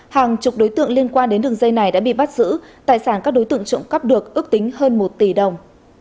hàng chục đối tượng liên quan đến đường dây này đã bị bắt giữ tài sản các đối tượng trộm cắp được ước tính hơn một tỷ đồng